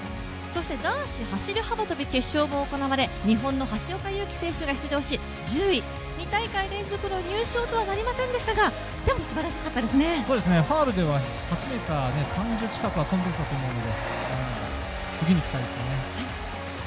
そして男子走幅跳決勝も行われ日本の橋岡優輝選手が出場し２大会連続の入賞とはなりませんでしたがファウルでしたが８ｍ３０近くは跳んでいたと思いますので次に期待ですね。